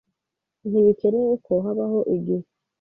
Ntibikenewe ko habaho igihe.